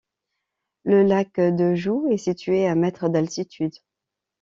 Le lac de Joux est situé à mètres d'altitude.